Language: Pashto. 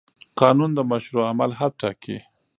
قانون د مشروع عمل حد ټاکي.